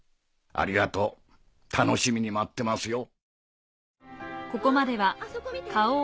ありがとう楽しみに待ってますよ。